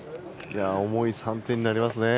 重い３点になりますね。